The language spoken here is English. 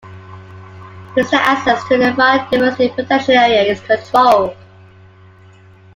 Visitor access to the biodiversity protection area is controlled.